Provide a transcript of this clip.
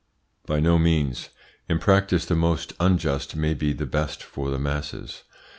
By no means. In practice the most unjust may be the best for the masses.